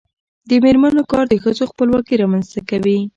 د میرمنو کار د ښځو خپلواکي رامنځته کوي.